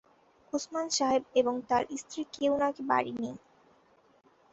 ওসমান সাহেব এবং তাঁর স্ত্রী-কেউ নাকি বাড়ি নেই।